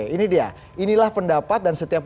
ini dia inilah pendapat dan setiap